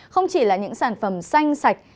không chỉ là những sản phẩm xanh sạch